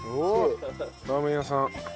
ラーメン屋さん。